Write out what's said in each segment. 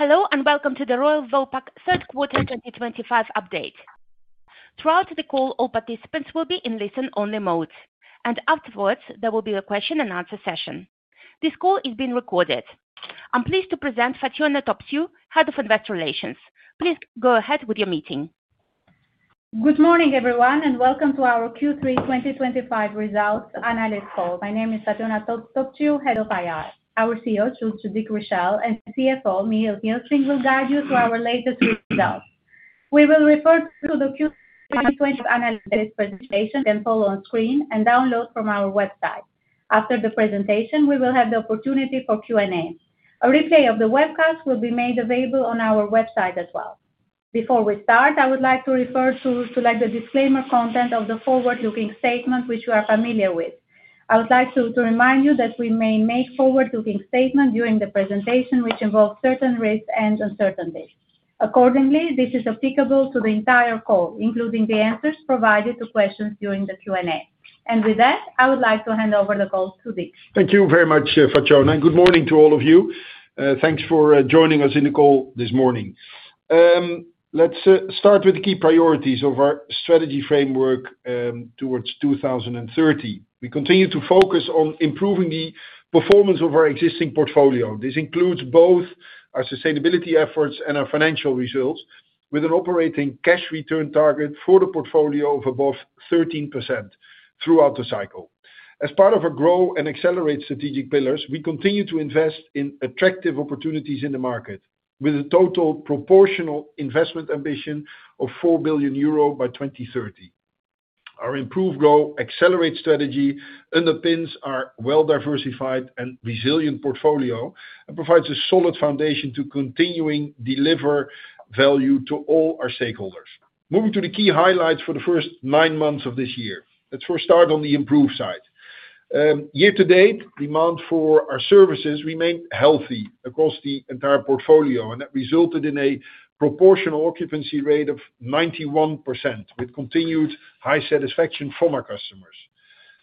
Hello and welcome to the Royal Vopak third quarter 2025 update. Throughout the call, all participants will be in listen-only mode, and afterwards there will be a question-and-answer session. This call is being recorded. I'm pleased to present Fatjona Topciu, Head of Investor Relations. Please go ahead with your meeting. Good morning, everyone, and welcome to our Q3 2025 results analyst call. My name is Fatjona Topciu, Head of IR. Our CEO, Dick Richelle, and CFO, Michiel Gilsing, will guide you through our latest results. We will refer to the Q3 2025 analyst presentation and poll on screen and download from our website. After the presentation, we will have the opportunity for Q&A. A replay of the webcast will be made available on our website as well. Before we start, I would like to refer to the disclaimer content of the forward-looking statement, which you are familiar with. I would like to remind you that we may make forward-looking statements during the presentation, which involves certain risks and uncertainties. Accordingly, this is applicable to the entire call, including the answers provided to questions during the Q&A. With that, I would like to hand over the call to Dick. Thank you very much, Fatjona. Good morning to all of you. Thanks for joining us in the call this morning. Let's start with the key priorities of our strategy framework towards 2030. We continue to focus on improving the performance of our existing portfolio. This includes both our sustainability efforts and our financial results, with an operating cash return target for the portfolio of above 13% throughout the cycle. As part of our grow and accelerate strategic pillars, we continue to invest in attractive opportunities in the market, with a total proportional investment ambition of 4 billion euro by 2030. Our improve, grow, accelerate strategy underpins our well-diversified and resilient portfolio and provides a solid foundation to continuing to deliver value to all our stakeholders. Moving to the key highlights for the first nine months of this year, let's first start on the improve side. Year to date, demand for our services remained healthy across the entire portfolio, and that resulted in a proportional occupancy rate of 91%, with continued high satisfaction from our customers.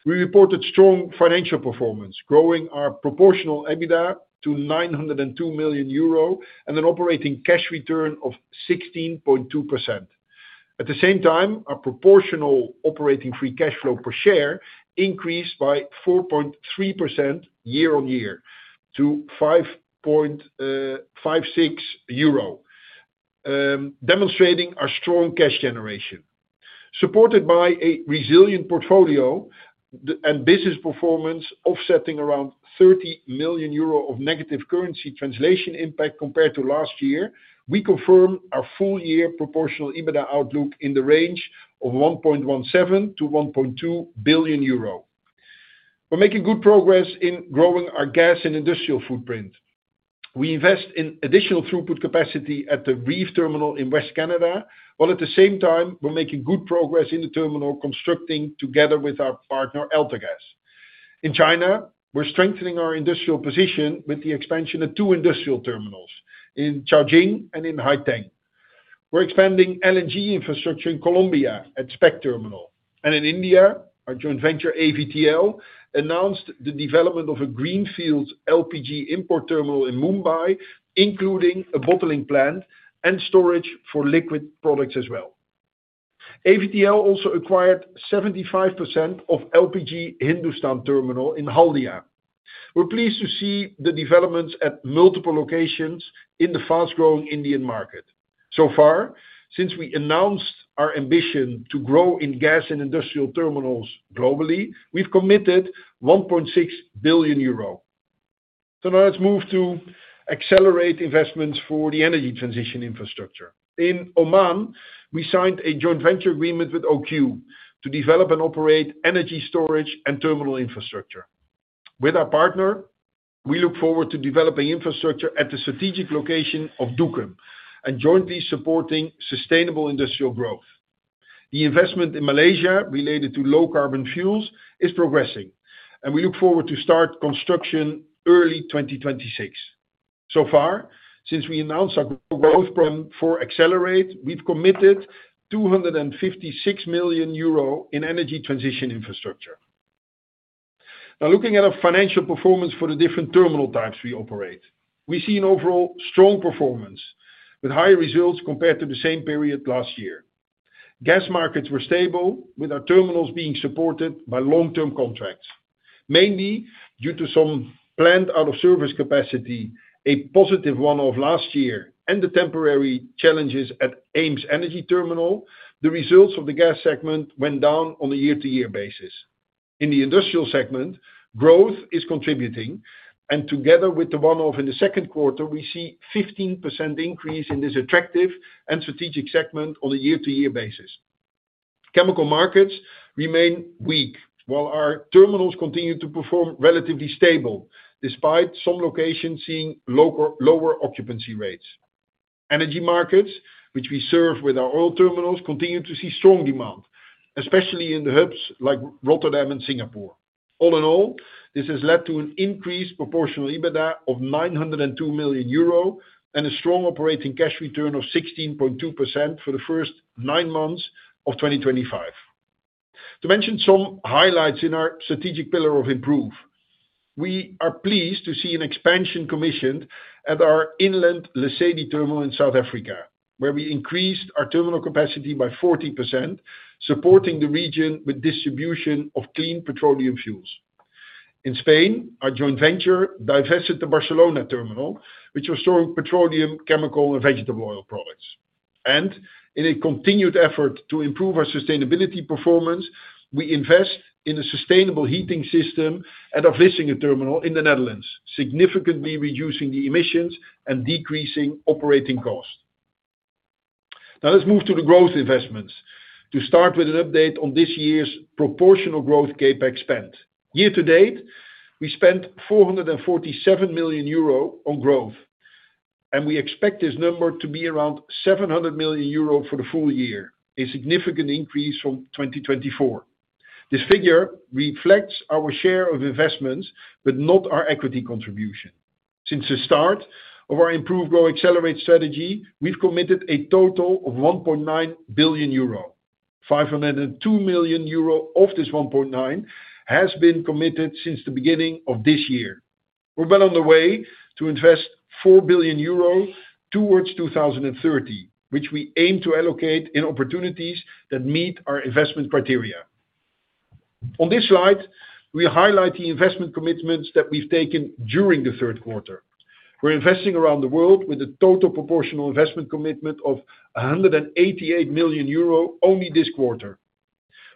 We reported strong financial performance, growing our proportional EBITDA to 902 million euro and an operating cash return of 16.2%. At the same time, our proportional operating free cash flow per share increased by 4.3% year-on-year to 5.56 euro, demonstrating our strong cash generation, supported by a resilient portfolio and business performance offsetting around 30 million euro of negative currency translation impact compared to last year. We confirm our full year proportional EBITDA outlook in the range of 1.17 billion-1.2 billion euro. We are making good progress in growing our gas and industrial footprint. We invest in additional throughput capacity at the REEF terminal in West Canada, while at the same time, we are making good progress in the terminal constructing together with our partner AltaGas. In China, we are strengthening our industrial position with the expansion of two industrial terminals in Caojing and in Haiteng. We are expanding LNG infrastructure in Colombia at SPEC Terminal. In India, our joint venture AVTL announced the development of a greenfield LPG import terminal in Mumbai, including a bottling plant and storage for liquid products as well. AVTL also acquired 75% of LPG Hindustan terminal in Haldia. We are pleased to see the developments at multiple locations in the fast-growing Indian market. So far, since we announced our ambition to grow in gas and industrial terminals globally, we have committed 1.6 billion euro. Now let's move to accelerate investments for the energy transition infrastructure. In Oman, we signed a joint venture agreement with OQ to develop and operate energy storage and terminal infrastructure. With our partner, we look forward to developing infrastructure at the strategic location of Duqm and jointly supporting sustainable industrial growth. The investment in Malaysia related to low carbon fuels is progressing, and we look forward to start construction early 2026. So far, since we announced our growth plan for accelerate, we have committed 256 million euro in energy transition infrastructure. Now, looking at our financial performance for the different terminal types we operate, we see an overall strong performance with high results compared to the same period last year. Gas markets were stable, with our terminals being supported by long-term contracts, mainly due to some planned out-of-service capacity. A positive one-off last year and the temporary challenges at EemsEnergyTerminal, the results of the gas segment went down on a year-to-year basis. In the industrial segment, growth is contributing, and together with the one-off in the second quarter, we see a 15% increase in this attractive and strategic segment on a year-to-year basis. Chemical markets remain weak, while our terminals continue to perform relatively stable despite some locations seeing lower occupancy rates. Energy markets, which we serve with our oil terminals, continue to see strong demand, especially in the hubs like Rotterdam and Singapore. All in all, this has led to an increased proportional EBITDA of 902 million euro and a strong operating cash return of 16.2% for the first nine months of 2025. To mention some highlights in our strategic pillar of improve, we are pleased to see an expansion commissioned at our inland Lesedi terminal in South Africa, where we increased our terminal capacity by 40%, supporting the region with distribution of clean petroleum fuels. In Spain, our joint venture divested the Barcelona terminal, which was storing petroleum, chemical, and vegetable oil products. In a continued effort to improve our sustainability performance, we invest in a sustainable heating system at our [Vlaardingen] terminal in the Netherlands, significantly reducing the emissions and decreasing operating costs. Now let's move to the growth investments to start with an update on this year's proportional growth CapEx spend. Year to date, we spent 447 million euro on growth. We expect this number to be around 700 million euro for the full year, a significant increase from 2024. This figure reflects our share of investments, but not our equity contribution. Since the start of our improve, grow, accelerate strategy, we've committed a total of 1.9 billion euro. 502 million euro of this 1.9 billion has been committed since the beginning of this year. We're well on the way to invest 4 billion euros towards 2030, which we aim to allocate in opportunities that meet our investment criteria. On this slide, we highlight the investment commitments that we've taken during the third quarter. We're investing around the world with a total proportional investment commitment of 188 million euro only this quarter.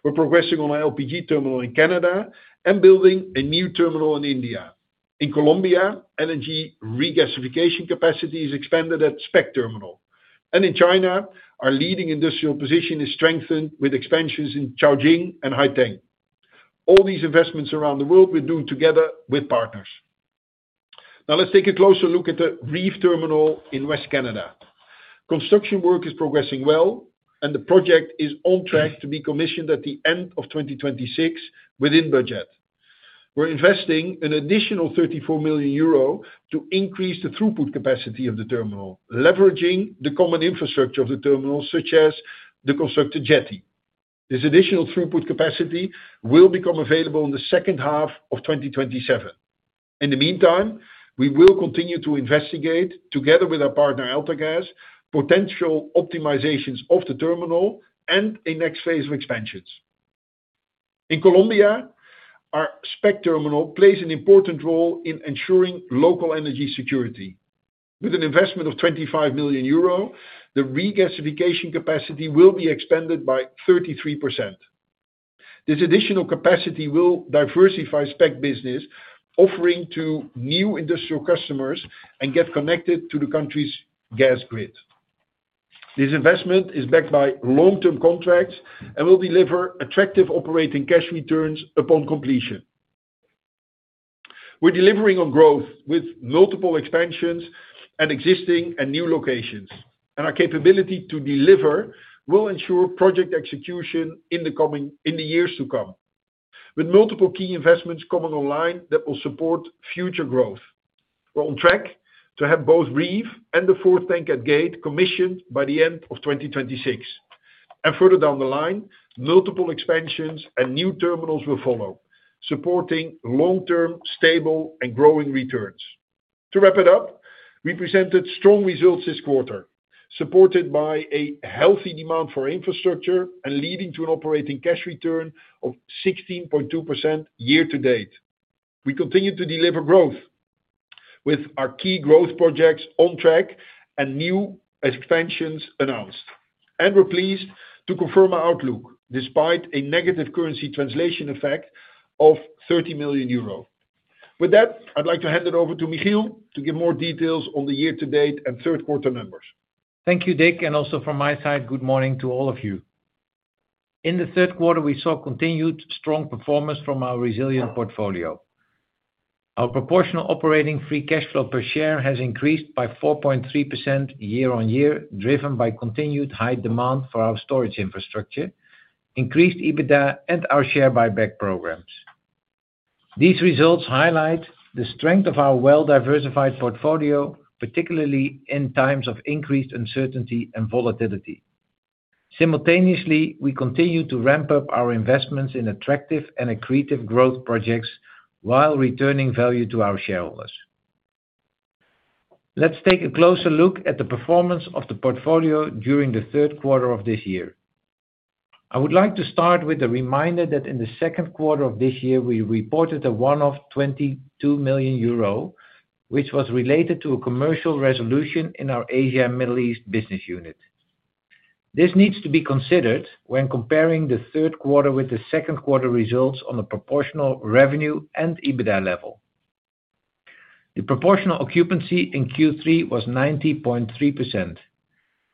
We're progressing on our LPG terminal in Canada and building a new terminal in India. In Colombia, energy regasification capacity is expanded at SPEC Terminal. In China, our leading industrial position is strengthened with expansions in Caojing and Haiteng. All these investments around the world we're doing together with partners. Now let's take a closer look at the REEF terminal in West Canada. Construction work is progressing well, and the project is on track to be commissioned at the end of 2026 within budget. We're investing an additional 34 million euro to increase the throughput capacity of the terminal, leveraging the common infrastructure of the terminal, such as the constructed jetty. This additional throughput capacity will become available in the second half of 2027. In the meantime, we will continue to investigate, together with our partner AltaGas, potential optimizations of the terminal and a next phase of expansions. In Colombia, our SPEC Terminal plays an important role in ensuring local energy security. With an investment of 25 million euro, the regasification capacity will be expanded by 33%. This additional capacity will diversify SPEC business, offering to new industrial customers and get connected to the country's gas grid. This investment is backed by long-term contracts and will deliver attractive operating cash returns upon completion. We're delivering on growth with multiple expansions and existing and new locations, and our capability to deliver will ensure project execution in the years to come, with multiple key investments coming online that will support future growth. We're on track to have both REEF and the 4th tank at Gate commissioned by the end of 2026. Further down the line, multiple expansions and new terminals will follow, supporting long-term, stable, and growing returns. To wrap it up, we presented strong results this quarter, supported by a healthy demand for infrastructure and leading to an operating cash return of 16.2% year to date. We continue to deliver growth, with our key growth projects on track and new expansions announced. We're pleased to confirm our outlook despite a negative currency translation effect of 30 million euro. With that, I'd like to hand it over to Michiel to give more details on the year-to-date and third-quarter numbers. Thank you, Dick. And also from my side, good morning to all of you. In the third quarter, we saw continued strong performance from our resilient portfolio. Our proportional operating free cash flow per share has increased by 4.3% year-on-year, driven by continued high demand for our storage infrastructure, increased EBITDA, and our share buyback programs. These results highlight the strength of our well-diversified portfolio, particularly inx of increased uncertainty and volatility. Simultaneously, we continue to ramp up our investments in attractive and accretive growth projects while returning value to our shareholders. Let's take a closer look at the performance of the portfolio during the third quarter of this year. I would like to start with a reminder that in the second quarter of this year, we reported a one-off 22 million euro, which was related to a commercial resolution in our Asia and Middle East business unit. This needs to be considered when comparing the third quarter with the second quarter results on the proportional revenue and EBITDA level. The proportional occupancy in Q3 was 90.3%.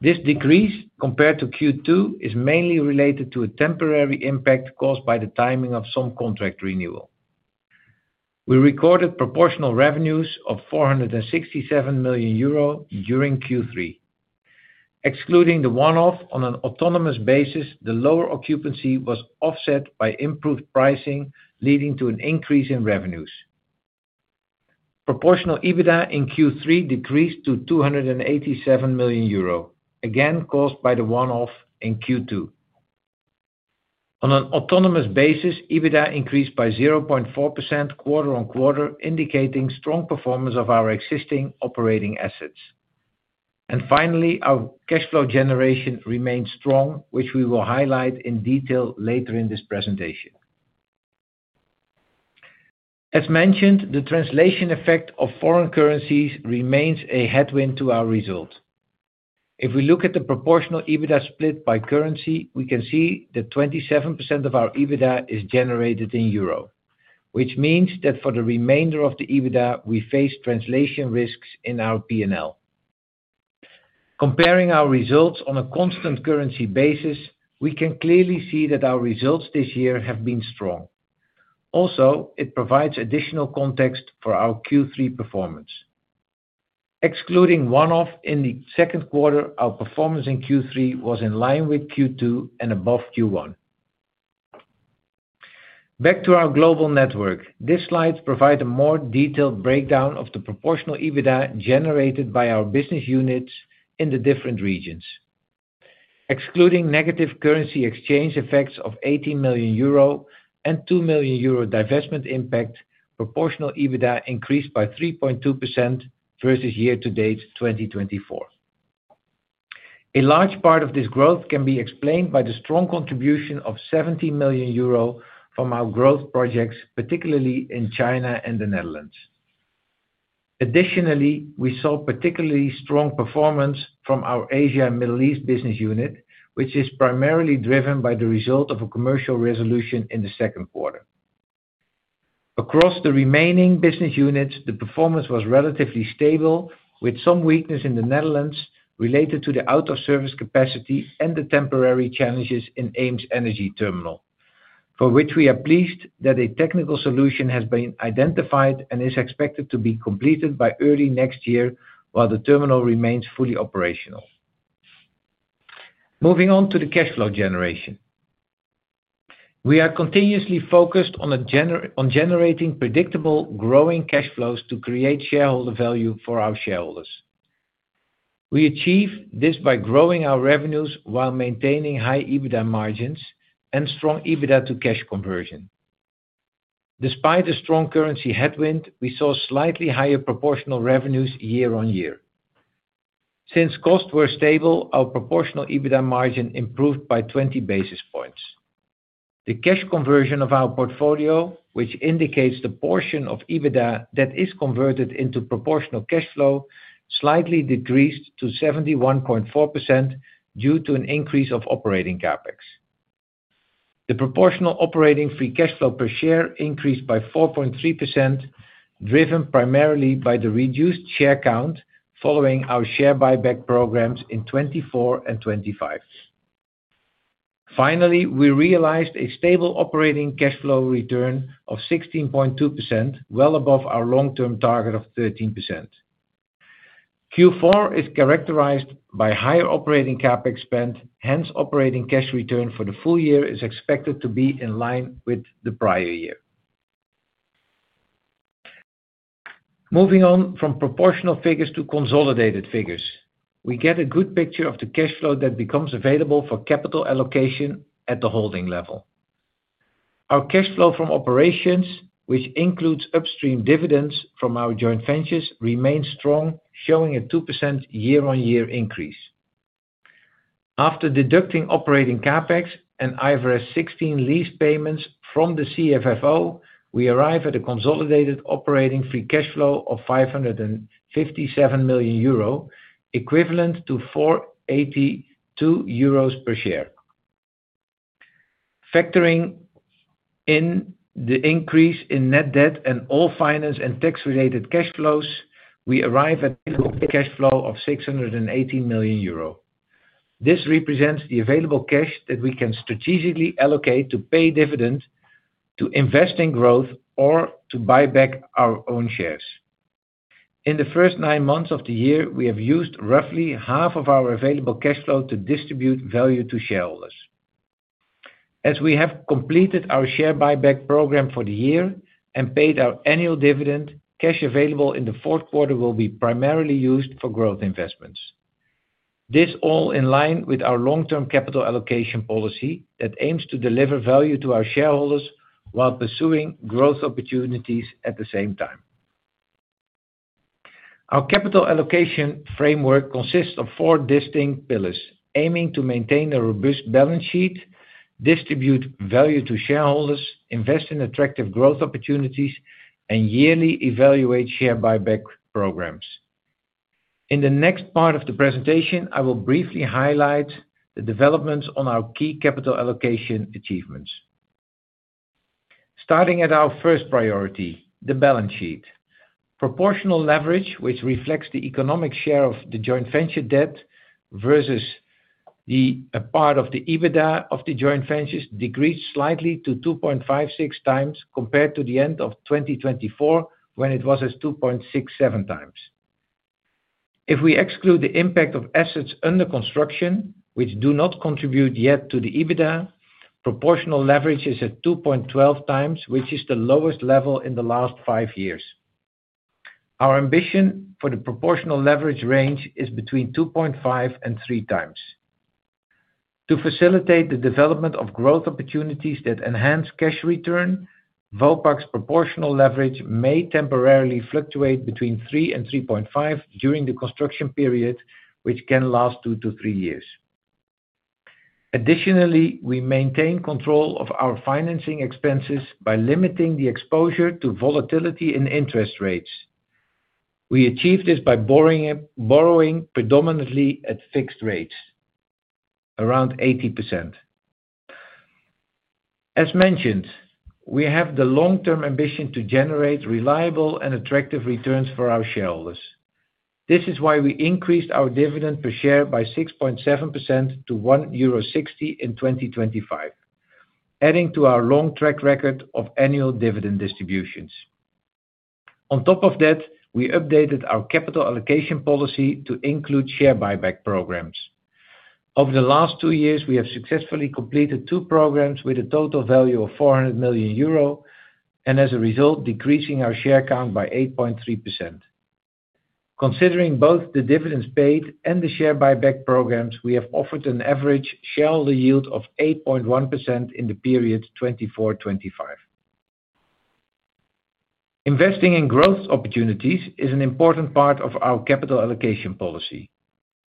This decrease compared to Q2 is mainly related to a temporary impact caused by the timing of some contract renewal. We recorded proportional revenues of 467 million euro during Q3. Excluding the one-off on an autonomous basis, the lower occupancy was offset by improved pricing, leading to an increase in revenues. Proportional EBITDA in Q3 decreased to 287 million euro, again caused by the one-off in Q2. On an autonomous basis, EBITDA increased by 0.4% quarter-on-quarter, indicating strong performance of our existing operating assets. Finally, our cash flow generation remained strong, which we will highlight in detail later in this presentation. As mentioned, the translation effect of foreign currencies remains a headwind to our result. If we look at the proportional EBITDA split by currency, we can see that 27% of our EBITDA is generated in euro, which means that for the remainder of the EBITDA, we face translation risks in our P&L. Comparing our results on a constant currency basis, we can clearly see that our results this year have been strong. Also, it provides additional context for our Q3 performance. Excluding one-off in the second quarter, our performance in Q3 was in line with Q2 and above Q1. Back to our global network, these slides provide a more detailed breakdown of the proportional EBITDA generated by our business units in the different regions. Excluding negative currency exchange effects of 18 million euro and 2 million euro divestment impact, proportional EBITDA increased by 3.2% versus year-to-date 2024. A large part of this growth can be explained by the strong contribution of 70 million euro from our growth projects, particularly in China and the Netherlands. Additionally, we saw particularly strong performance from our Asia and Middle East business unit, which is primarily driven by the result of a commercial resolution in the second quarter. Across the remaining business units, the performance was relatively stable, with some weakness in the Netherlands related to the out-of-service capacity and the temporary challenges in EemsEnergyTerminal, for which we are pleased that a technical solution has been identified and is expected to be completed by early next year while the terminal remains fully operational. Moving on to the cash flow generation. We are continuously focused on generating predictable growing cash flows to create shareholder value for our shareholders. We achieve this by growing our revenues while maintaining high EBITDA margins and strong EBITDA to cash conversion. Despite a strong currency headwind, we saw slightly higher proportional revenues year-on-year. Since costs were stable, our proportional EBITDA margin improved by 20 basis points. The cash conversion of our portfolio, which indicates the portion of EBITDA that is converted into proportional cash flow, slightly decreased to 71.4% due to an increase of operating CapEx. The proportional operating free cash flow per share increased by 4.3%, driven primarily by the reduced share count following our share buyback programs in 2024 and 2025. Finally, we realized a stable operating cash flow return of 16.2%, well above our long-term target of 13%. Q4 is characterized by higher operating CapEx spend, hence, operating cash return for the full year is expected to be in line with the prior year. Moving on from proportional figures to consolidated figures, we get a good picture of the cash flow that becomes available for capital allocation at the holding level. Our cash flow from operations, which includes upstream dividends from our joint ventures, remains strong, showing a 2% year-on-year increase. After deducting operating CapEx and IFRS 16 lease payments from the CFFO, we arrive at a consolidated operating free cash flow of 557 million euro, equivalent to 4.82 euros per share. Factoring in the increase in net debt and all finance and tax-related cash flows, we arrive at a cash flow of 618 million euro. This represents the available cash that we can strategically allocate to pay dividends, to invest in growth, or to buy back our own shares. In the first nine months of the year, we have used roughly half of our available cash flow to distribute value to shareholders. As we have completed our share buyback program for the year and paid our annual dividend, cash available in the fourth quarter will be primarily used for growth investments. This is all in line with our long-term capital allocation policy that aims to deliver value to our shareholders while pursuing growth opportunities at the same time. Our capital allocation framework consists of four distinct pillars, aiming to maintain a robust balance sheet, distribute value to shareholders, invest in attractive growth opportunities, and yearly evaluate share buyback programs. In the next part of the presentation, I will briefly highlight the developments on our key capital allocation achievements. Starting at our first priority, the balance sheet, proportional leverage, which reflects the economic share of the joint venture debt versus a part of the EBITDA of the joint ventures, decreased slightly to 2.56x compared to the end of 2024, when it was at 2.67x. If we exclude the impact of assets under construction, which do not contribute yet to the EBITDA, proportional leverage is at 2.12x, which is the lowest level in the last five years. Our ambition for the proportional leverage range is between 2.5x-3x. To facilitate the development of growth opportunities that enhance cash return, Vopak's proportional leverage may temporarily fluctuate between 3x-3.5x during the construction period, which can last 2 years-3 years. Additionally, we maintain control of our financing expenses by limiting the exposure to volatility in interest rates. We achieve this by borrowing predominantly at fixed rates. Around 80%. As mentioned, we have the long-term ambition to generate reliable and attractive returns for our shareholders. This is why we increased our dividend per share by 6.7% to 1.60 euro in 2025. Adding to our long track record of annual dividend distributions. On top of that, we updated our capital allocation policy to include share buyback programs. Over the last two years, we have successfully completed two programs with a total value of 400 million euro. As a result, decreasing our share count by 8.3%. Considering both the dividends paid and the share buyback programs, we have offered an average shareholder yield of 8.1% in the period 2024-2025. Investing in growth opportunities is an important part of our capital allocation policy.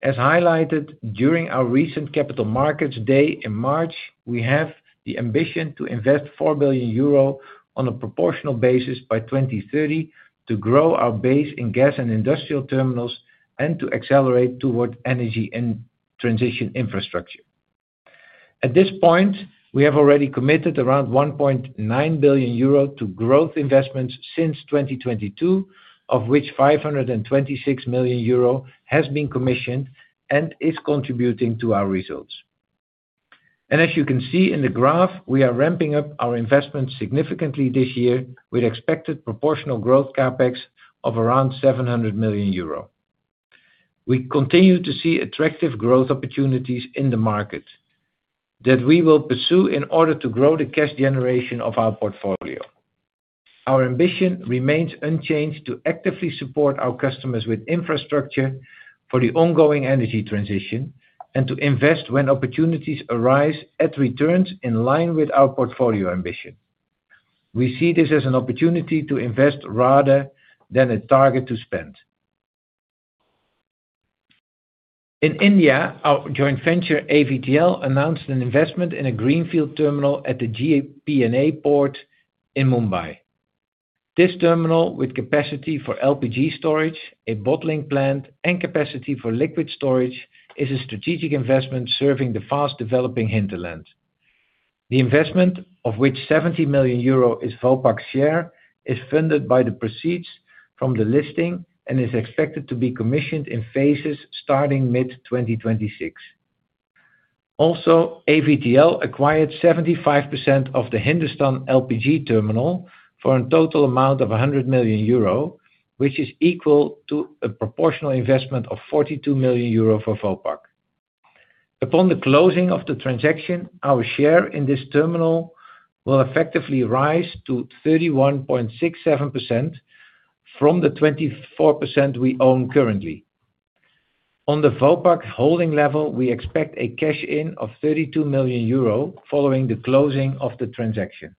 As highlighted during our recent capital markets day in March, we have the ambition to invest 4 billion euro on a proportional basis by 2030 to grow our base in gas and industrial terminals and to accelerate toward energy and transition infrastructure. At this point, we have already committed around 1.9 billion euro to growth investments since 2022, of which 526 million euro has been commissioned and is contributing to our results. As you can see in the graph, we are ramping up our investments significantly this year with expected proportional growth CapEx of around 700 million euro. We continue to see attractive growth opportunities in the market. That we will pursue in order to grow the cash generation of our portfolio. Our ambition remains unchanged to actively support our customers with infrastructure for the ongoing energy transition and to invest when opportunities arise at returns in line with our portfolio ambition. We see this as an opportunity to invest rather than a target to spend. In India, our joint venture AVTL announced an investment in a greenfield terminal at the JNPA Port in Mumbai. This terminal, with capacity for LPG storage, a bottling plant, and capacity for liquid storage, is a strategic investment serving the fast-developing hinterland. The investment, of which 70 million euro is Vopak's share, is funded by the proceeds from the listing and is expected to be commissioned in phases starting mid-2026. Also, AVTL acquired 75% of the Hindustan LPG terminal for a total amount of 100 million euro, which is equal to a proportional investment of 42 million euro for Vopak. Upon the closing of the transaction, our share in this terminal will effectively rise to 31.67% from the 24% we own currently. On the Vopak holding level, we expect a cash in of 32 million euro following the closing of the transaction.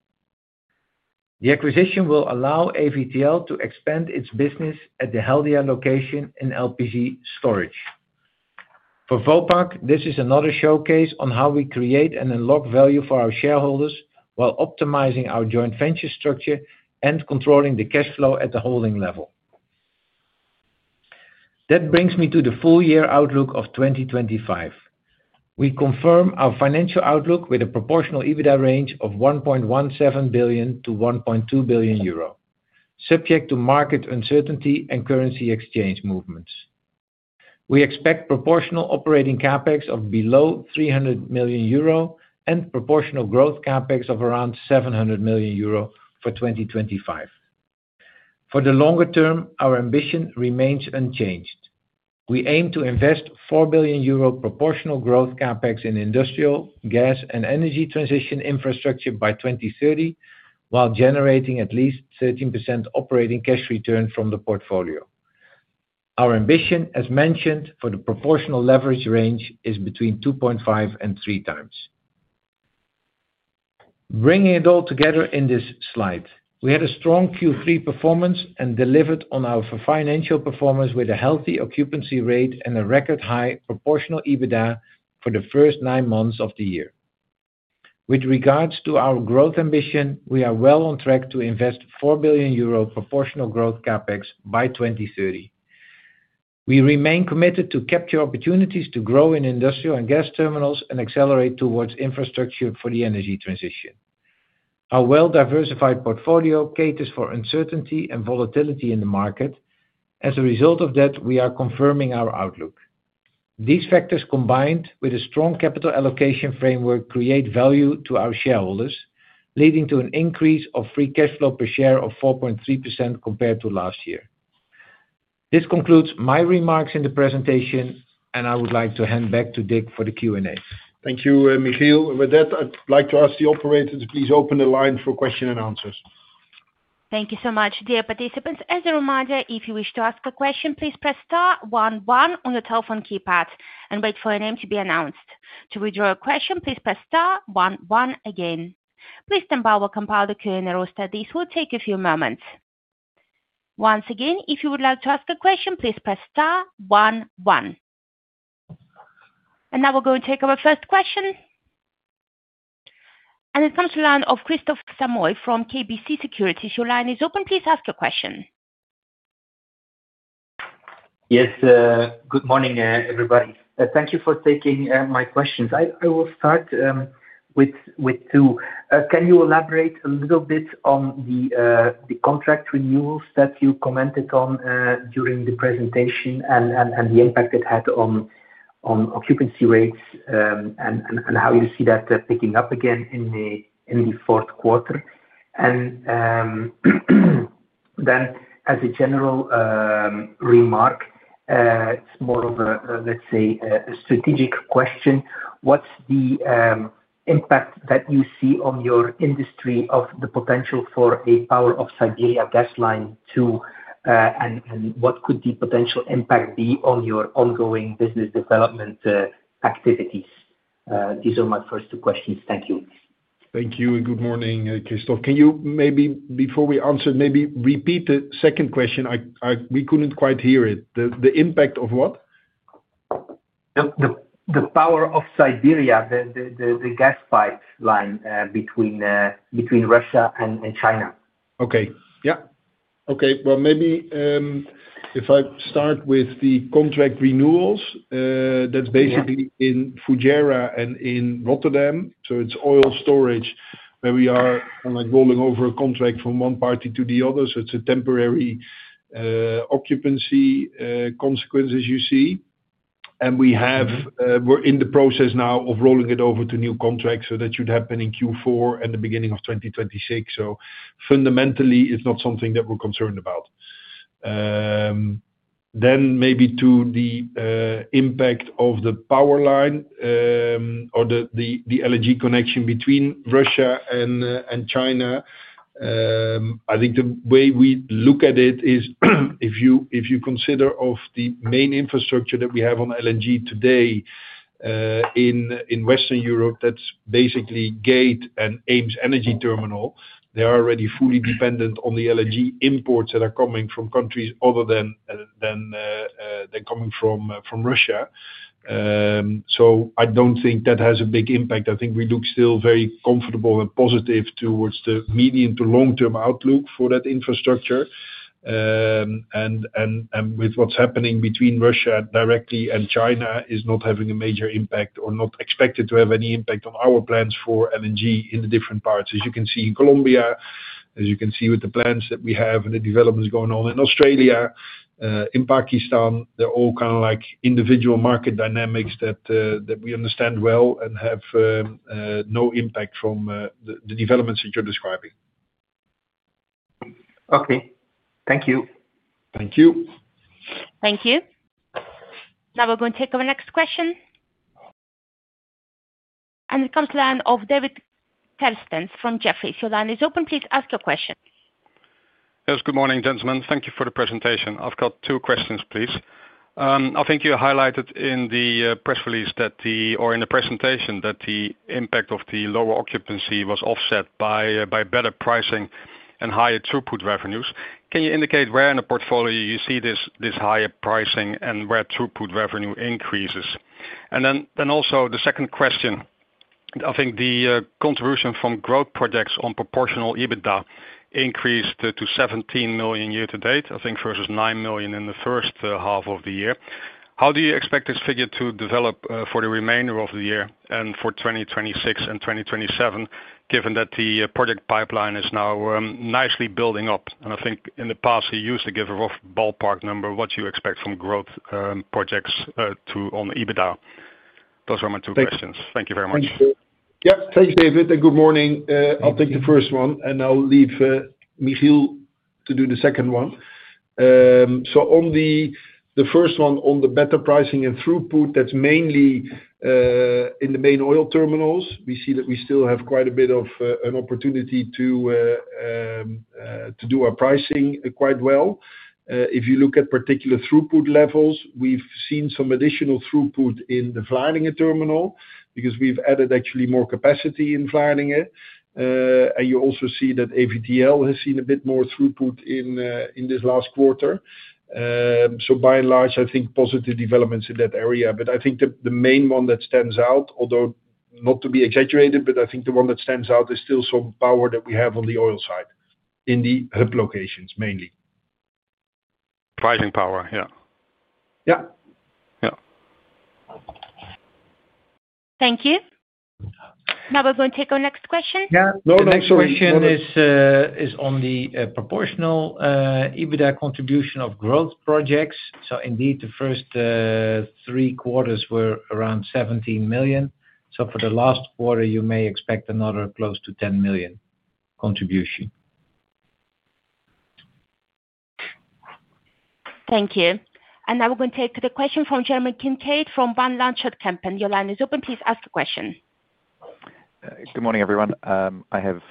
The acquisition will allow AVTL to expand its business at the Haldia location in LPG storage. For Vopak, this is another showcase on how we create and unlock value for our shareholders while optimizing our joint venture structure and controlling the cash flow at the holding level. That brings me to the full year outlook of 2025. We confirm our financial outlook with a proportional EBITDA range of 1.17 billion-1.2 billion euro, subject to market uncertainty and currency exchange movements. We expect proportional operating CapEx of below 300 million euro and proportional growth CapEx of around 700 million euro for 2025. For the longer term, our ambition remains unchanged. We aim to invest 4 billion euro proportional growth CapEx in industrial, gas, and energy transition infrastructure by 2030, while generating at least 13% operating cash return from the portfolio. Our ambition, as mentioned, for the proportional leverage range is between 2.5x and 3x. Bringing it all together in this slide, we had a strong Q3 performance and delivered on our financial performance with a healthy occupancy rate and a record high proportional EBITDA for the first nine months of the year. With regards to our growth ambition, we are well on track to invest 4 billion euro proportional growth CapEx by 2030. We remain committed to capture opportunities to grow in industrial and gas terminals and accelerate towards infrastructure for the energy transition. Our well-diversified portfolio caters for uncertainty and volatility in the market. As a result of that, we are confirming our outlook. These factors, combined with a strong capital allocation framework, create value to our shareholders, leading to an increase of free cash flow per share of 4.3% compared to last year. This concludes my remarks in the presentation, and I would like to hand back to Dick for the Q&A. Thank you, Michiel. I would like to ask the operators to please open the line for questions and answers. Thank you so much, dear participants. As a reminder, if you wish to ask a question, please press star one one on your telephone keypad and wait for your name to be announced. To withdraw a question, please press star one one again. Please then bow or compile the Q&A roster. This will take a few moments. Once again, if you would like to ask a question, please press star one one. Now we are going to take our first question. It comes to the line of Kristof Samoy from KBC Securities. Your line is open. Please ask a question. Yes, good morning, everybody. Thank you for taking my questions. I will start with two. Can you elaborate a little bit on the contract renewals that you commented on during the presentation and the impact it had on occupancy rates and how you see that picking up again in the fourth quarter? As a general remark, it's more of a, let's say, a strategic question. What's the impact that you see on your industry of the potential for a Power of Siberia gas line to, and what could the potential impact be on your ongoing business development activities? These are my first two questions. Thank you. Thank you. Good morning, Kristof. Can you maybe, before we answer, maybe repeat the second question? We couldn't quite hear it. The impact of what? The Power of Siberia, the gas pipeline between Russia and China. Okay. Yeah. Okay. Maybe if I start with the contract renewals, that's basically in Fujairah and in Rotterdam. It's oil storage where we are rolling over a contract from one party to the other. It's a temporary occupancy consequence, as you see. We're in the process now of rolling it over to new contracts so that should happen in Q4 and the beginning of 2026. Fundamentally, it's not something that we're concerned about. Maybe to the impact of the power line or the LNG connection between Russia and China. I think the way we look at it is, if you consider the main infrastructure that we have on LNG today in Western Europe, that's basically Gate and EemsEnergyTerminal. They are already fully dependent on the LNG imports that are coming from countries other than coming from Russia. I don't think that has a big impact. I think we look still very comfortable and positive towards the medium to long-term outlook for that infrastructure. What's happening between Russia directly and China is not having a major impact or not expected to have any impact on our plans for LNG in the different parts. As you can see in Colombia, as you can see with the plans that we have and the developments going on in Australia, in Pakistan, they're all kind of like individual market dynamics that we understand well and have no impact from the developments that you're describing. Okay. Thank you. Thank you. Now we're going to take our next question. It comes to the line of David Kerstens from Jefferies. Your line is open. Please ask your question. Yes. Good morning, gentlemen. Thank you for the presentation. I've got two questions, please. I think you highlighted in the press release or in the presentation that the impact of the lower occupancy was offset by better pricing and higher throughput revenues. Can you indicate where in the portfolio you see this higher pricing and where throughput revenue increases? And then also the second question. I think the contribution from growth projects on proportional EBITDA increased to 17 million year to date, I think, versus 9 million in the first half of the year. How do you expect this figure to develop for the remainder of the year and for 2026 and 2027, given that the project pipeline is now nicely building up? And I think in the past, you used to give a rough ballpark number of what you expect from growth projects on EBITDA. Those are my two questions. Thank you very much. Thank you. Yep. Thanks, David. Good morning. I'll take the first one, and I'll leave Michiel to do the second one. On the first one, on the better pricing and throughput, that's mainly in the main oil terminals. We see that we still have quite a bit of an opportunity to do our pricing quite well. If you look at particular throughput levels, we've seen some additional throughput in the Vlaardingen terminal because we've added actually more capacity in Vlaardingen. You also see that AVTL has seen a bit more throughput in this last quarter. By and large, I think positive developments in that area. I think the main one that stands out, although not to be exaggerated, but I think the one that stands out is still some power that we have on the oil side in the HUB locations, mainly pricing power. Yeah. Thank you. Now we're going to take our next question. No, the next question is on the proportional EBITDA contribution of growth projects. So indeed, the first three quarters were around 17 million. For the last quarter, you may expect another close to 10 million contribution. Thank you. Now we're going to take the question from Jeremy Kincaid from Van Lanschot Kempen. Your line is open. Please ask a question. Good morning, everyone. I have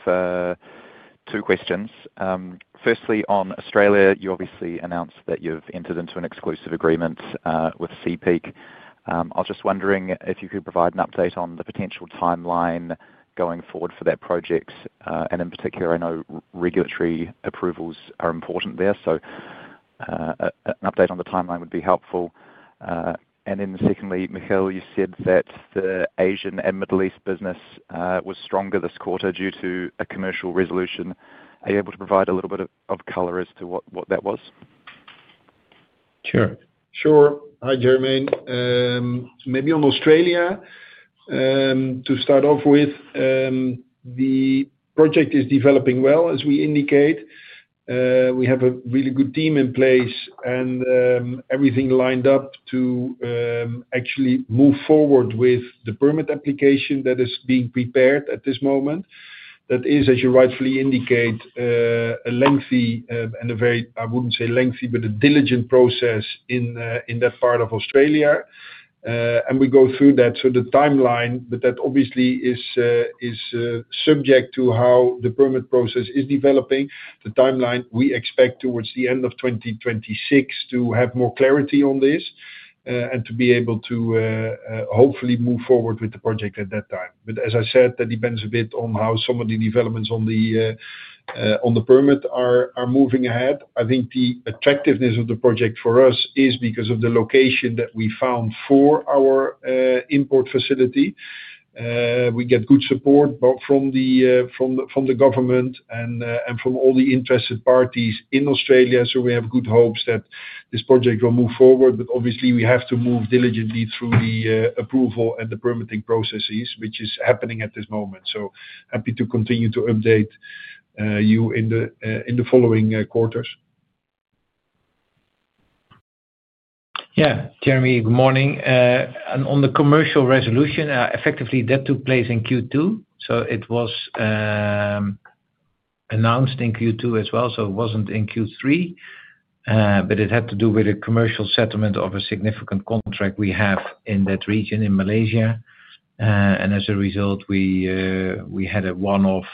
two questions. Firstly, on Australia, you obviously announced that you've entered into an exclusive agreement with Seapeak. I was just wondering if you could provide an update on the potential timeline going forward for that project. In particular, I know regulatory approvals are important there. An update on the timeline would be helpful. Secondly, Michiel, you said that the Asian and Middle East business was stronger this quarter due to a commercial resolution. Are you able to provide a little bit of color as to what that was? Sure. Hi, Jeremy. Maybe on Australia, to start off with, the project is developing well, as we indicate. We have a really good team in place and everything lined up to actually move forward with the permit application that is being prepared at this moment. That is, as you rightfully indicate. A lengthy and a very—I would not say lengthy, but a diligent process in that part of Australia. We go through that. The timeline, but that obviously is subject to how the permit process is developing. The timeline, we expect towards the end of 2026 to have more clarity on this and to be able to hopefully move forward with the project at that time. As I said, that depends a bit on how some of the developments on the permit are moving ahead. I think the attractiveness of the project for us is because of the location that we found for our import facility. We get good support from the government and from all the interested parties in Australia. We have good hopes that this project will move forward. Obviously, we have to move diligently through the approval and the permitting processes, which is happening at this moment. Happy to continue to update you in the following quarters. Yeah. Jeremy, good morning. On the commercial resolution, effectively, that took place in Q2. It was announced in Q2 as well. It was not in Q3. It had to do with a commercial settlement of a significant contract we have in that region in Malaysia. As a result, we had a one-off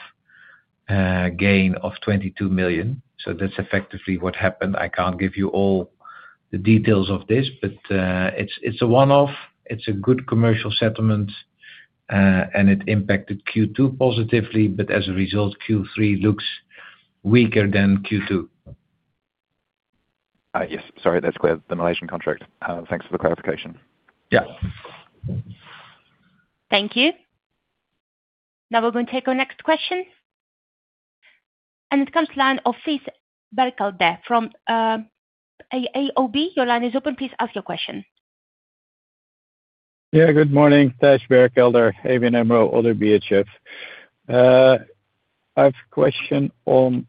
gain of 22 million. That is effectively what happened. I cannot give you all the details of this, but it is a one-off. It is a good commercial settlement. It impacted Q2 positively. As a result, Q3 looks weaker than Q2. Yes. Sorry. That is the Malaysian contract. Thanks for the clarification. Yeah. Thank you. Now we are going to take our next question. It comes to the line of Thijs Berkelder from ODDO BHF. Your line is open. Please ask your question. Yeah. Good morning. Thijs Berkelder, ODDO BHF. I have a question on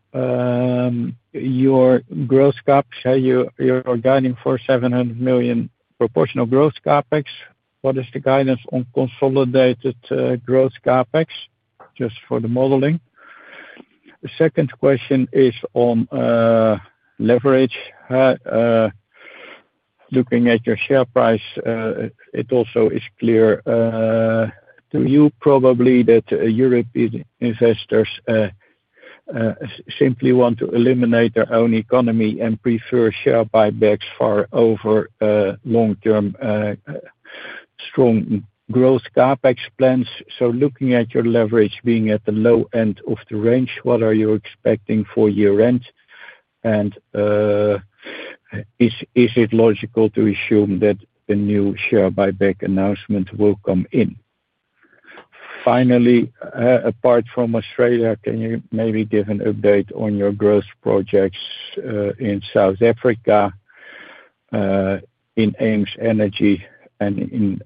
your growth CapEx. You are guiding for 700 million proportional growth CapEx. What is the guidance on consolidated growth CapEx, just for the modeling? The second question is on leverage. Looking at your share price, it also is clear to you probably that European investors simply want to eliminate their own economy and prefer share buybacks far over long-term strong growth CapEx plans. Looking at your leverage being at the low end of the range, what are you expecting for year-end? Is it logical to assume that a new share buyback announcement will come in? Finally, apart from Australia, can you maybe give an update on your growth projects in South Africa, in EemsEnergy, and in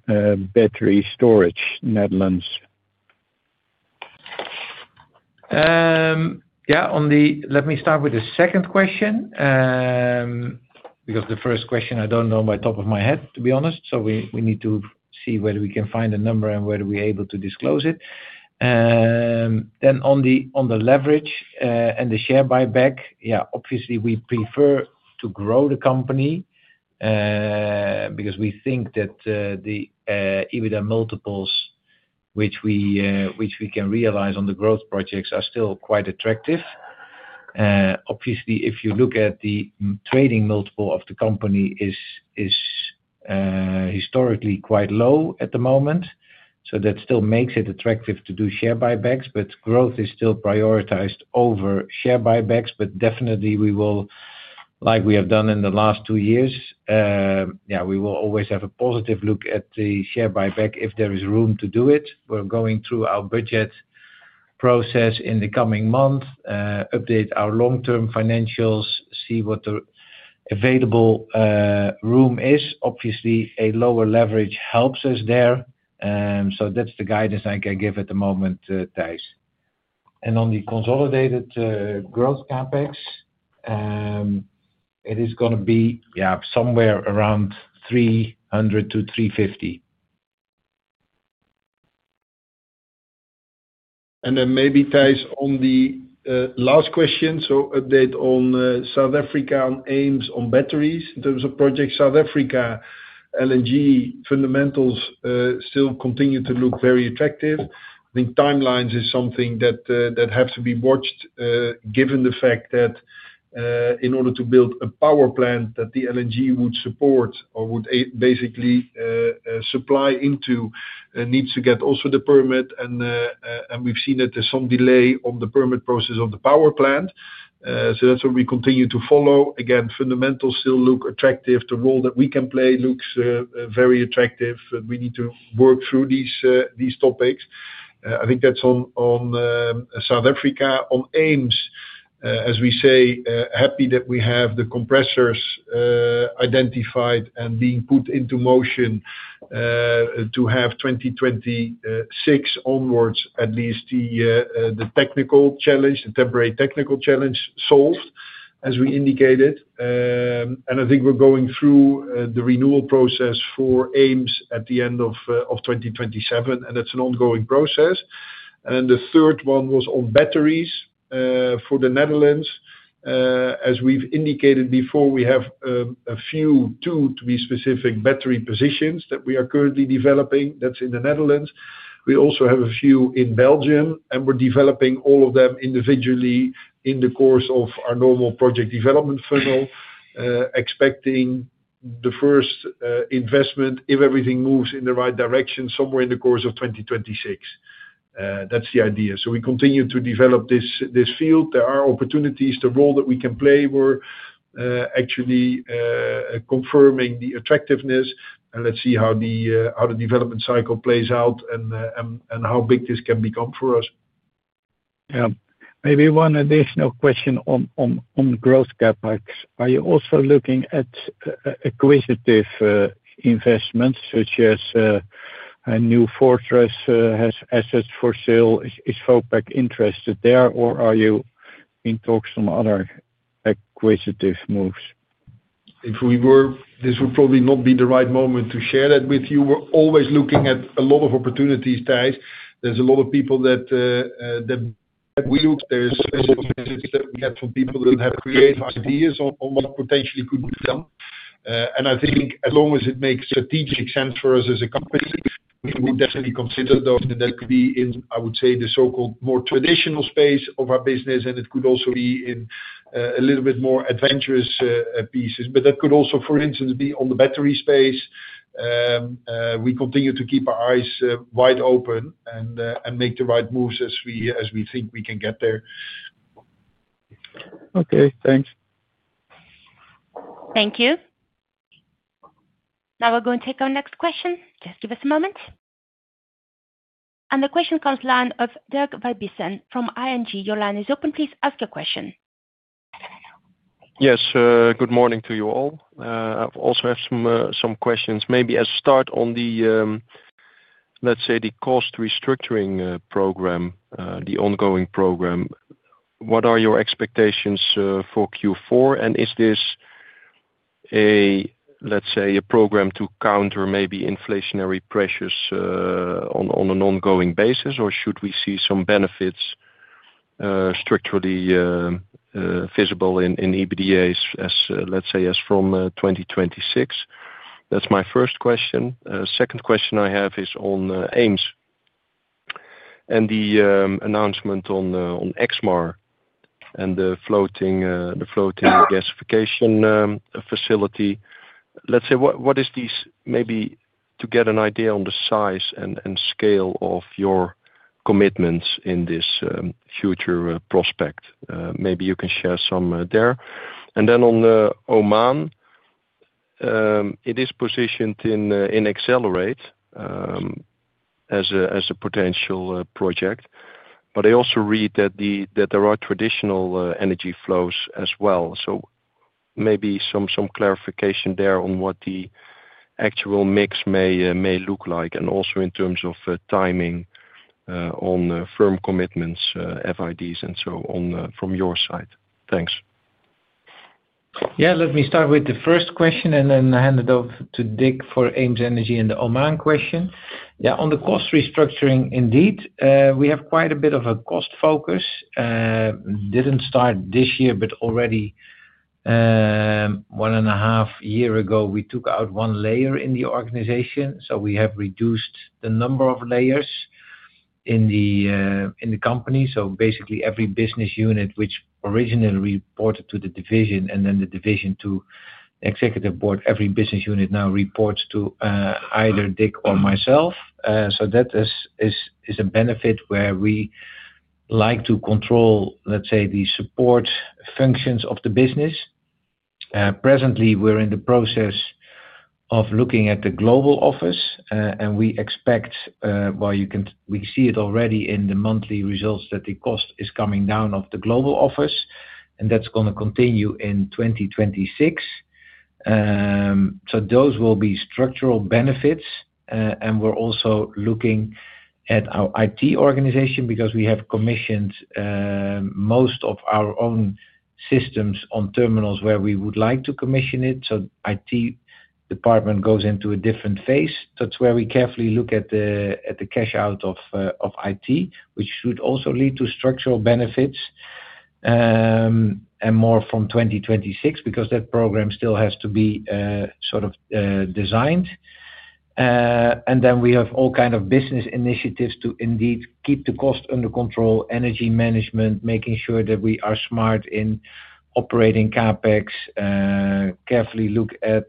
battery storage, Netherlands? Yeah. Let me start with the second question, because the first question, I do not know my top of my head, to be honest. We need to see whether we can find a number and whether we are able to disclose it. Then on the leverage and the share buyback, yeah, obviously, we prefer to grow the company, because we think that. The EBITDA multiples, which we can realize on the growth projects, are still quite attractive. Obviously, if you look at the trading multiple of the company, it is historically quite low at the moment. That still makes it attractive to do share buybacks. Growth is still prioritized over share buybacks. Definitely, we will, like we have done in the last two years, yeah, we will always have a positive look at the share buyback if there is room to do it. We're going through our budget process in the coming month, update our long-term financials, see what the available room is. Obviously, a lower leverage helps us there. That's the guidance I can give at the moment, Thijs. On the consolidated growth CapEx, it is going to be, yeah, somewhere around 300 million-350 million. Maybe, Thijs, on the last question, update on South Africa, on Eems, on batteries in terms of projects. South Africa, LNG fundamentals still continue to look very attractive. I think timelines is something that has to be watched, given the fact that in order to build a power plant that the LNG would support or would basically supply into, needs to get also the permit. We've seen that there's some delay on the permit process of the power plant. That's what we continue to follow. Again, fundamentals still look attractive. The role that we can play looks very attractive. We need to work through these topics. I think that's on South Africa. On Eems, as we say, happy that we have the compressors identified and being put into motion to have 2026 onwards, at least the technical challenge, the temporary technical challenge solved, as we indicated. We're going through the renewal process for Eems at the end of 2027, and that's an ongoing process. The third one was on batteries for the Netherlands. As we've indicated before, we have a few, two to be specific, battery positions that we are currently developing. That's in the Netherlands. We also have a few in Belgium. We're developing all of them individually in the course of our normal project development funnel. Expecting the first investment, if everything moves in the right direction, somewhere in the course of 2026. That's the idea. We continue to develop this field. There are opportunities. The role that we can play, we're actually confirming the attractiveness. Let's see how the development cycle plays out and how big this can become for us. Yeah. Maybe one additional question on growth CapEx. Are you also looking at acquisitive investments such as New Fortress, has assets for sale, is Vopak interested there, or are you in talks on other acquisitive moves? This would probably not be the right moment to share that with you. We're always looking at a lot of opportunities, Thijs. There's a lot of people that we look. There are specific visits that we have from people that have creative ideas on what potentially could be done. I think as long as it makes strategic sense for us as a company, we would definitely consider those. That could be in, I would say, the so-called more traditional space of our business. It could also be in a little bit more adventurous pieces. That could also, for instance, be on the battery space. We continue to keep our eyes wide open and make the right moves as we think we can get there. Okay. Thanks. Thank you. Now we're going to take our next question. Just give us a moment. The question comes live from Dirk Verbiesen from ING. Your line is open. Please ask your question. Yes. Good morning to you all. I also have some questions. Maybe as a start on the, let's say, the cost restructuring program, the ongoing program. What are your expectations for Q4? Is this, let's say, a program to counter maybe inflationary pressures on an ongoing basis, or should we see some benefits structurally visible in EBITDA, let's say, as from 2026? That's my first question. The second question I have is on Eems and the announcement on Exmar and the floating gasification facility. Let's say, what is this maybe to get an idea on the size and scale of your commitments in this future prospect? Maybe you can share some there. Then on Oman, it is positioned in Accelerate as a potential project. I also read that there are traditional energy flows as well. Maybe some clarification there on what the actual mix may look like and also in terms of timing on firm commitments, FIDs, and so on from your side. Thanks. Yeah. Let me start with the first question and then hand it over to Dick for EemsEnergy and the Oman question. Yeah. On the cost restructuring, indeed, we have quite a bit of a cost focus. Didn't start this year, but already one and a half years ago, we took out one layer in the organization. We have reduced the number of layers in the company, so basically every business unit which originally reported to the division and then the division to the executive board, every business unit now reports to either Dick or myself. That is a benefit where we like to control, let's say, the support functions of the business. Presently, we're in the process of looking at the global office. We expect, and we see it already in the monthly results, that the cost is coming down at the global office. That's going to continue in 2026. Those will be structural benefits. We're also looking at our IT organization because we have commissioned most of our own systems on terminals where we would like to commission it. The IT department goes into a different phase. That's where we carefully look at the cash-out of IT, which should also lead to structural benefits. More from 2026 because that program still has to be sort of designed. We have all kinds of business initiatives to indeed keep the cost under control, energy management, making sure that we are smart in operating CapEx. Carefully look at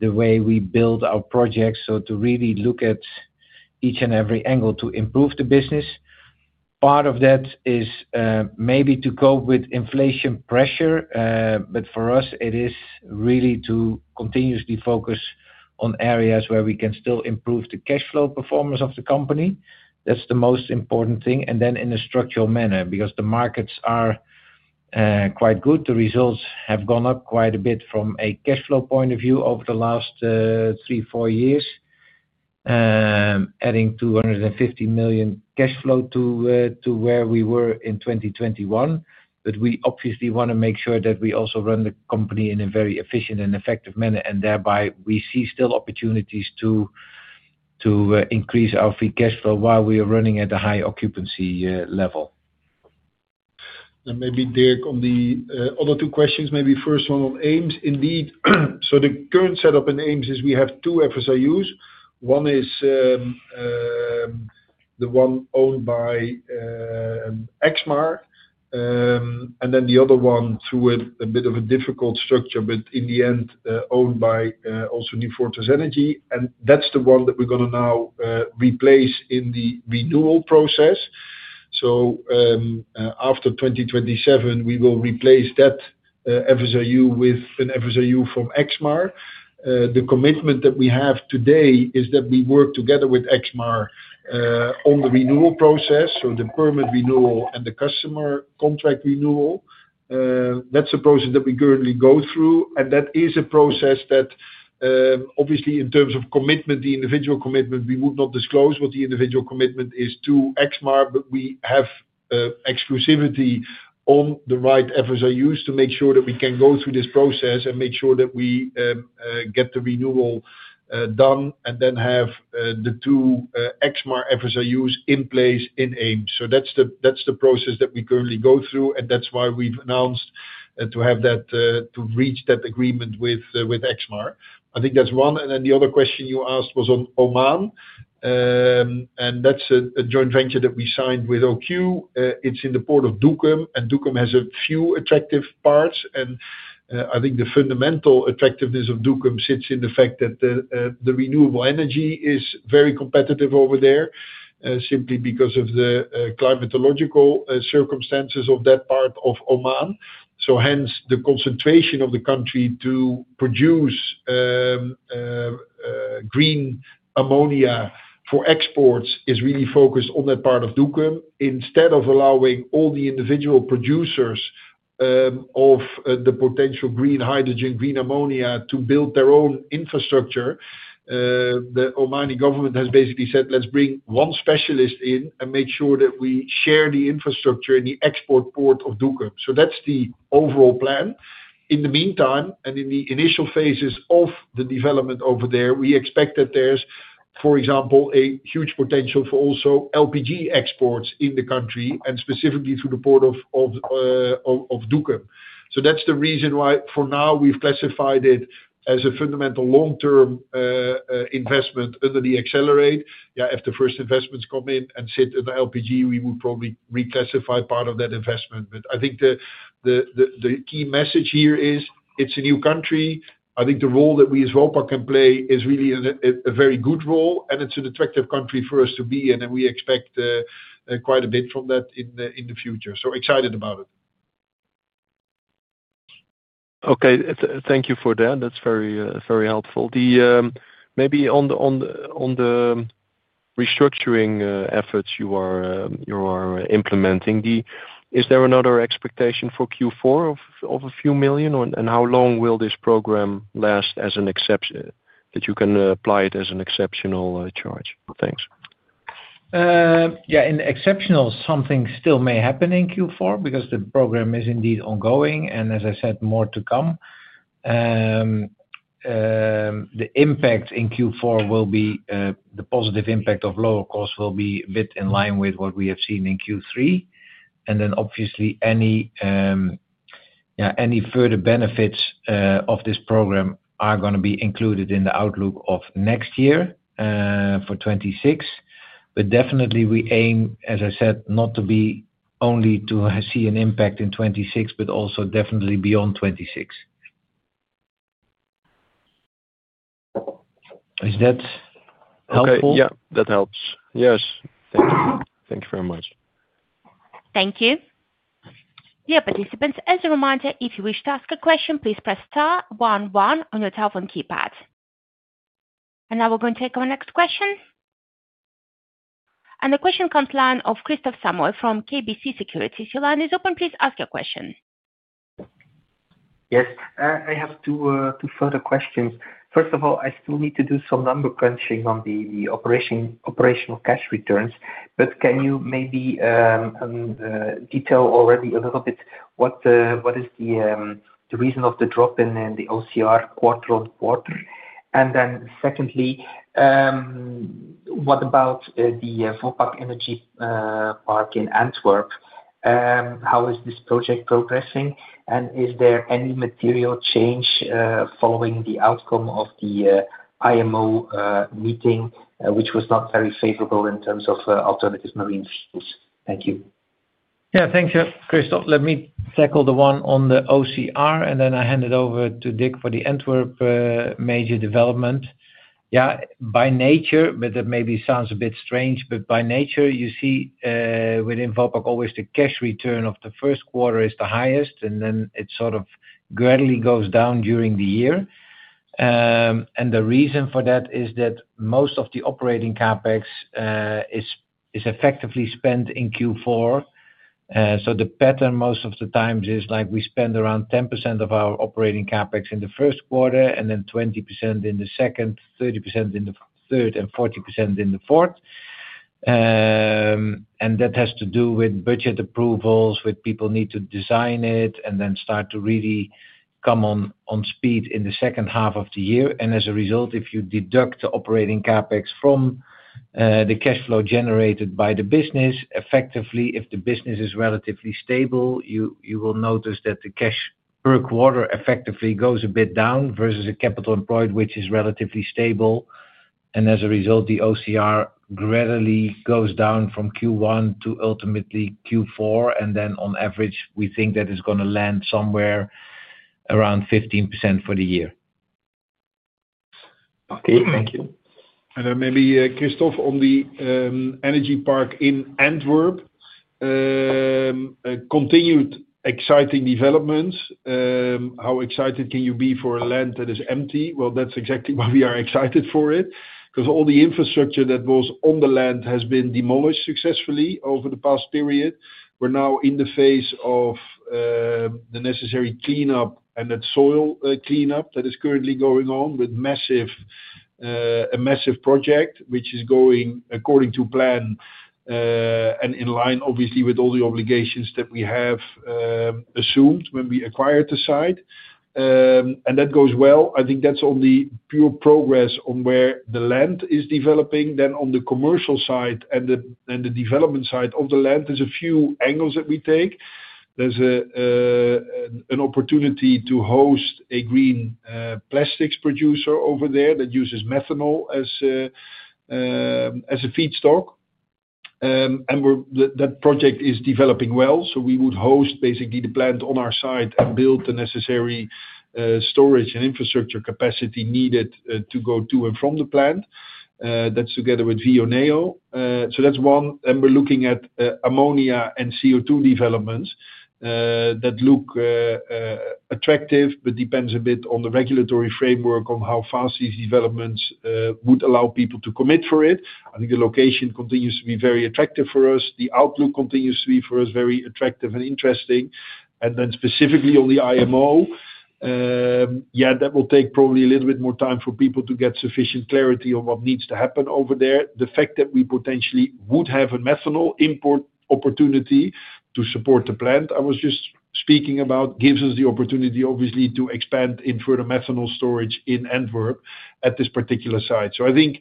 the way we build our projects to really look at each and every angle to improve the business. Part of that is maybe to cope with inflation pressure. For us, it is really to continuously focus on areas where we can still improve the cash flow performance of the company. That's the most important thing. In a structural manner because the markets are quite good. The results have gone up quite a bit from a cash flow point of view over the last three, four years, adding 250 million cash flow to where we were in 2021. We obviously want to make sure that we also run the company in a very efficient and effective manner. Thereby, we see still opportunities to increase our free cash flow while we are running at a high occupancy level. Maybe, Dirk, on the other two questions, maybe first one on Eems. Indeed, the current setup in Eems is we have two FSU's. One is the one owned by Exmar, and then the other one through a bit of a difficult structure, but in the end, owned by also New Fortress Energy. That's the one that we're going to now replace in the renewal process. After 2027, we will replace that FSU with an FSU from Exmar. The commitment that we have today is that we work together with Exmar on the renewal process, so the permit renewal and the customer contract renewal. That's the process that we currently go through. In terms of commitment, the individual commitment, we would not disclose what the individual commitment is to Exmar, but we have exclusivity on the right FSU's to make sure that we can go through this process and make sure that we get the renewal done and then have the two Exmar FSU's in place in Eems. That's the process that we currently go through. That's why we've announced to reach that agreement with Exmar. I think that's one. The other question you asked was on Oman. That's a joint venture that we signed with OQ. It's in the port of Duqm. Duqm has a few attractive parts. I think the fundamental attractiveness of Duqm sits in the fact that the renewable energy is very competitive over there, simply because of the climatological circumstances of that part of Oman. Hence, the concentration of the country to produce green ammonia for exports is really focused on that part of Duqm instead of allowing all the individual producers. Of the potential green hydrogen, green ammonia to build their own infrastructure. The Omani government has basically said, "Let's bring one specialist in and make sure that we share the infrastructure in the export port of Duqm." So that's the overall plan. In the meantime, and in the initial phases of the development over there, we expect that there's, for example, a huge potential for also LPG exports in the country and specifically through the port of Duqm. So that's the reason why, for now, we've classified it as a fundamental long-term investment under the Accelerate. Yeah, if the first investments come in and sit in the LPG, we would probably reclassify part of that investment. But I think the key message here is it's a new country. I think the role that we as Vopak can play is really a very good role. And it's an attractive country for us to be in. And we expect quite a bit from that in the future. So excited about it. Okay. Thank you for that. That's very helpful. Maybe on the restructuring efforts you are implementing, is there another expectation for Q4 of a few million? And how long will this program last as an exception that you can apply it as an exceptional charge? Thanks. Yeah. In exceptional, something still may happen in Q4 because the program is indeed ongoing. And as I said, more to come. The impact in Q4 will be the positive impact of lower cost will be a bit in line with what we have seen in Q3. And then, obviously, any further benefits of this program are going to be included in the outlook of next year. For 2026. But definitely, we aim, as I said, not to be only to see an impact in 2026, but also definitely beyond 2026. Is that helpful? Okay. Yeah. That helps. Yes. Thank you. Thank you very much. Thank you. Dear participants, as a reminder, if you wish to ask a question, please press star one one on your telephone keypad. And now we're going to take our next question. And the question comes live of Kristof Samoy from KBC Securities. If your line is open, please ask your question. Yes. I have two further questions. First of all, I still need to do some number crunching on the operational cash returns. But can you maybe detail already a little bit what is the reason of the drop in the OCR quarter-on-quarter? And then secondly, what about the Vopak Energy Park in Antwerp? How is this project progressing? And is there any material change following the outcome of the IMO meeting, which was not very favorable in terms of alternative marine fuels? Thank you. Yeah. Thank you, Kristof. Let me tackle the one on the OCR. And then I hand it over to Dick for the Antwerp major development. Yeah. By nature, but that maybe sounds a bit strange, but by nature, you see within Vopak always the cash return of the first quarter is the highest, and then it sort of gradually goes down during the year. The reason for that is that most of the operating CapEx is effectively spent in Q4. The pattern most of thex is we spend around 10% of our operating CapEx in the first quarter and then 20% in the second, 30% in the third, and 40% in the fourth. That has to do with budget approvals, with people needing to design it, and then starting to really come on speed in the second half of the year. As a result, if you deduct the operating CapEx from the cash flow generated by the business, effectively, if the business is relatively stable, you will notice that the cash per quarter effectively goes a bit down versus a capital employed, which is relatively stable. As a result, the OCR gradually goes down from Q1 to ultimately Q4. On average, we think that it's going to land somewhere around 15% for the year. Okay. Thank you. Maybe,, on the Energy Park in Antwerp. Continued exciting developments. How excited can you be for a land that is empty? That is exactly why we are excited for it because all the infrastructure that was on the land has been demolished successfully over the past period. We are now in the phase of the necessary cleanup and that soil cleanup that is currently going on with a massive project, which is going according to plan and in line, obviously, with all the obligations that we have assumed when we acquired the site. That goes well. I think that's on the pure progress on where the land is developing. On the commercial side and the development side of the land, there are a few angles that we take. There is an opportunity to host a green plastics producer over there that uses methanol as a feedstock. That project is developing well. We would host basically the plant on our site and build the necessary storage and infrastructure capacity needed to go to and from the plant. That is together with Vioneo. That is one. We are looking at ammonia and CO2 developments that look attractive, but depends a bit on the regulatory framework on how fast these developments would allow people to commit for it. I think the location continues to be very attractive for us. The outlook continues to be for us very attractive and interesting. Specifically on the IMO, that will take probably a little bit more time for people to get sufficient clarity on what needs to happen over there. The fact that we potentially would have a methanol import opportunity to support the plant I was just speaking about gives us the opportunity, obviously, to expand in further methanol storage in Antwerp at this particular site. I think,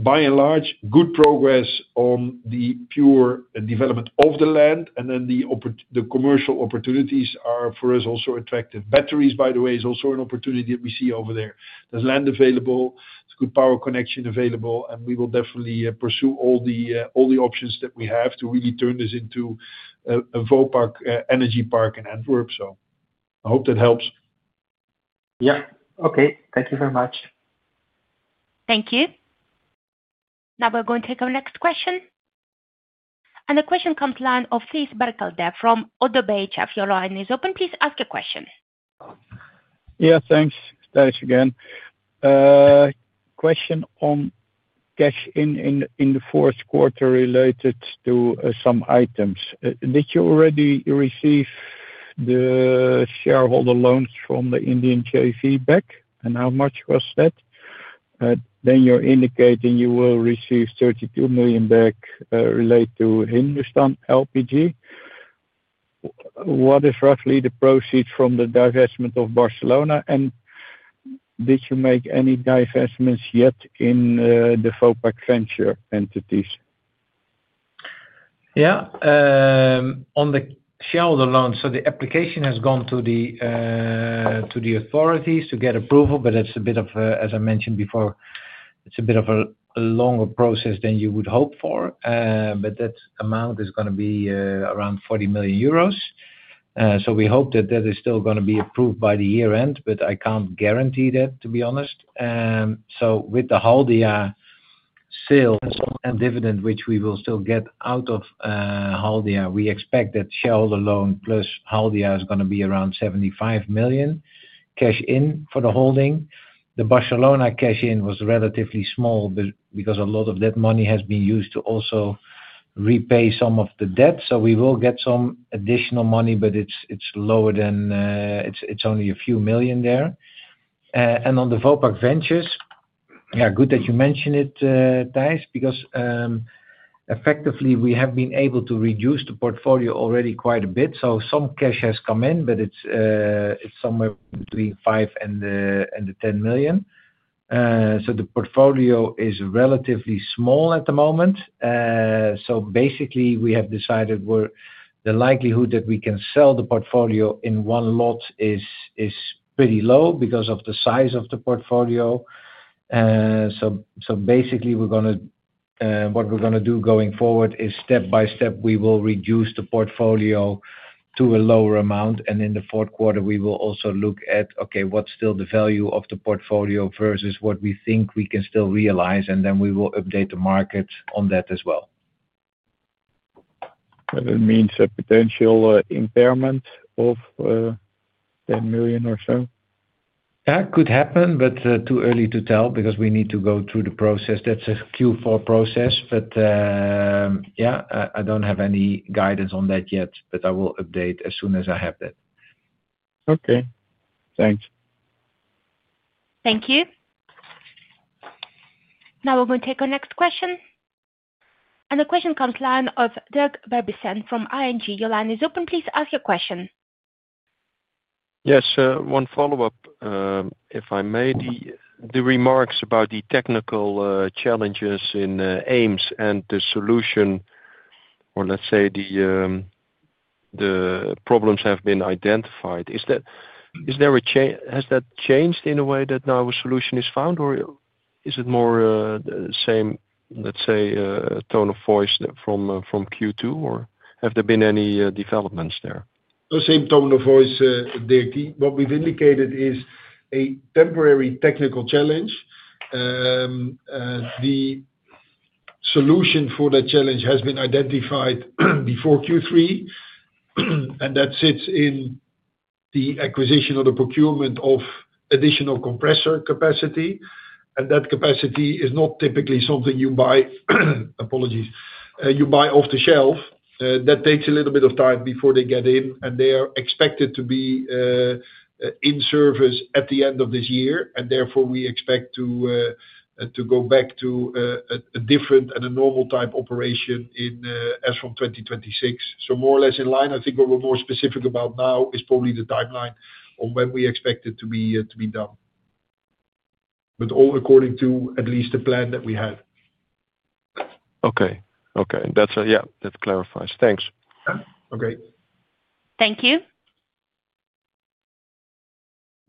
by and large, good progress on the pure development of the land. The commercial opportunities are for us also attractive. Batteries, by the way, is also an opportunity that we see over there. There's land available. It's a good power connection available. We will definitely pursue all the options that we have to really turn this into a Vopak Energy Park in Antwerp. I hope that helps. Yeah. Okay. Thank you very much. Thank you. Now we're going to take our next question. The question comes live of Thijs Berkelder from ODDO BHF. Please ask your question. Yeah. Thanks. Thanks again. Question on cash in the fourth quarter related to some items. Did you already receive the shareholder loans from the Indian JV back? And how much was that? Then you're indicating you will receive 32 million back related to Hindustan LPG. What is roughly the proceeds from the divestment of Barcelona? Did you make any divestments yet in the Vopak venture entities? Yeah. On the shareholder loans, the application has gone to the authorities to get approval. It's a bit of, as I mentioned before, it's a bit of a longer process than you would hope for. That amount is going to be around 40 million euros. We hope that that is still going to be approved by the year-end, but I can't guarantee that, to be honest. With the Haldia sale and dividend, which we will still get out of Haldia, we expect that shareholder loan plus Haldia is going to be around 75 million cash in for the holding. The Barcelona cash in was relatively small because a lot of that money has been used to also repay some of the debt. We will get some additional money, but it's lower than, it's only a few million there. On the Vopak ventures, good that you mentioned it, Thijs, because effectively, we have been able to reduce the portfolio already quite a bit. Some cash has come in, but it's somewhere between 5 million-10 million. The portfolio is relatively small at the moment. Basically, we have decided the likelihood that we can sell the portfolio in one lot is pretty low because of the size of the portfolio. Basically, what we're going to do going forward is step by step, we will reduce the portfolio to a lower amount. In the fourth quarter, we will also look at what's still the value of the portfolio versus what we think we can still realize. We will update the market on that as well. That means a potential impairment of. 10 million or so? That could happen, but too early to tell because we need to go through the process. That is a Q4 process. Yeah, I do not have any guidance on that yet, but I will update as soon as I have that. Okay. Thanks. Thank you. Now we are going to take our next question. The question comes live from Dirk Verbiesen from ING. Your line is open. Please ask your question. Yes. One follow-up, if I may, the remarks about the technical challenges in Eems and the solution, or let's say the problems have been identified. Has that changed in a way that now a solution is found, or is it more the same, let's say, tone of voice from Q2, or have there been any developments there? Same tone of voice, Dirk. What we have indicated is a temporary technical challenge. The solution for that challenge has been identified before Q3, and that sits in the acquisition or the procurement of additional compressor capacity. That capacity is not typically something you buy off the shelf. That takes a little bit of time before they get in, and they are expected to be in service at the end of this year. Therefore, we expect to go back to a different and a normal type operation as from 2026. More or less in line, I think what we are more specific about now is probably the timeline on when we expect it to be done, but all according to at least the plan that we had. Okay. Okay. Yeah. That clarifies. Thanks. Okay. Thank you.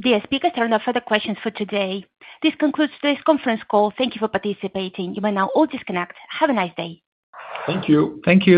The speakers turned off for the questions for today. This concludes today's conference call. Thank you for participating. You may now all disconnect. Have a nice day. Thank you. Thank you.